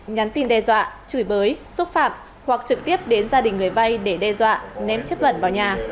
nhắn tin đe dọa chửi bới xúc phạm hoặc trực tiếp đến gia đình người vay để đe dọa ném chất bẩn vào nhà